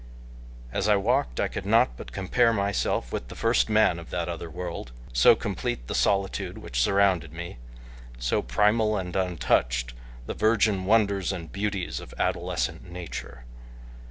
As I walked I could not but compare myself with the first man of that other world, so complete the solitude which surrounded me, so primal and untouched the virgin wonders and beauties of adolescent nature.